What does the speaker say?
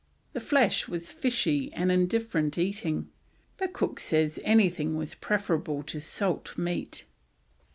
The flesh was fishy and indifferent eating, but Cook says anything was preferable to salt meat.